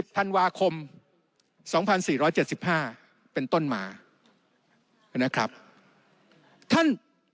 ๑๐พันวาคม๒๔๗๕เป็นต้นหมา